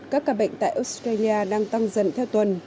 các ca bệnh tại australia đang tăng dần theo tuần